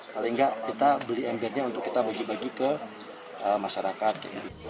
paling nggak kita beli embernya untuk kita bagi bagi ke masyarakat